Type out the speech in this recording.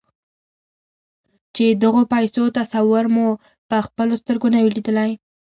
چې د غو پيسو تصور مو پهخپلو سترګو نه وي ليدلی.